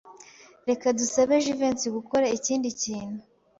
Reka dusabe Jivency gukora ikindi kintu.